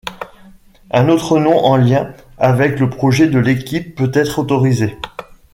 Un autre nom en lien avec le projet de l'équipe peut être autorisé.